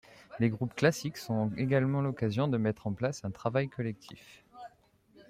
Les groupes classiques sont également l'occasion de mettre en place un travail collectif.